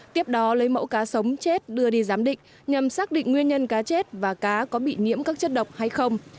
tiếp đó lấy mẫu cá sống chết đưa đi giám định nhằm xác định nguyên nhân cá chết và cá có bị nhiễm các chất độc hay không